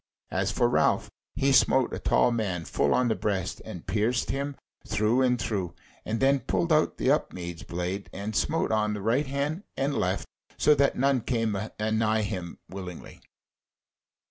As for Ralph, he smote a tall man full on the breast and pierced him through and through, and then pulled out the Upmeads blade and smote on the right hand and the left, so that none came anigh him willingly.